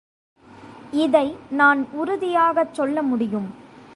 இதை நான் உறுதியாகச் சொல்லமுடியும்.